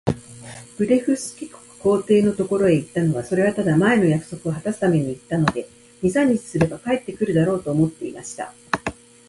ブレフスキュ国皇帝のところへ行ったのは、それはただ、前の約束をはたすために行ったので、二三日すれば帰って来るだろう、と思っていました。